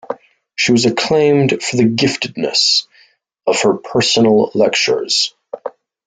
She was acclaimed for the giftedness of her personal lectures.